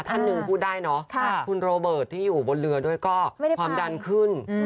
ท่านหนึ่งพูดได้เนาะคุณโรเบิร์ตที่อยู่บนเรือด้วยก็ความดันขึ้น